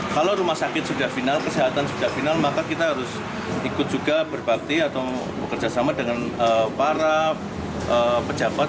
kalau rumah sakit sudah final kesehatan sudah final maka kita harus ikut juga berbakti atau bekerjasama dengan para pejabat